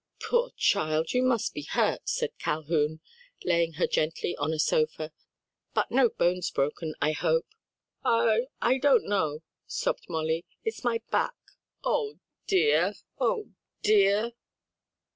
"Poor child, you must be hurt," said Calhoun, laying her gently on a sofa, "but no bones broken, I hope?" "I I don't know," sobbed Molly, "it's my back. Oh, dear! oh, dear!"